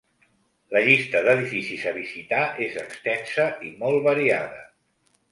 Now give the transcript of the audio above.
La llista d’edificis a visitar és extensa i molt variada.